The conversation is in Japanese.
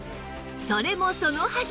それもそのはず